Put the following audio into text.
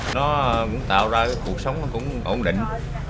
nó cũng tạo ra cuộc sống cũng ổn định